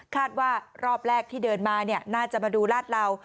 คาดว่ารอบแรกที่เดินมาน่าจะมาดูราสราว